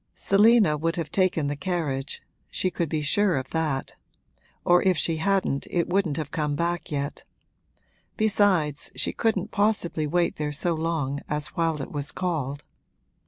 Selina would have taken the carriage she could be sure of that; or if she hadn't it wouldn't have come back yet; besides, she couldn't possibly wait there so long as while it was called.